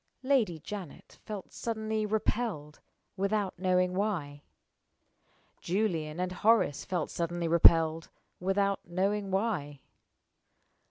Lady Janet felt suddenly repelled, without knowing why. Julian and Horace felt suddenly repelled, without knowing why.